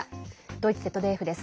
ドイツＺＤＦです。